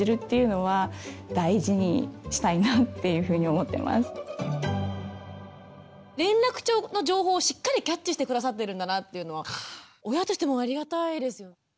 やっぱりその連絡帳の情報をしっかりキャッチして下さってるんだなっていうのは親としてもありがたいですよね。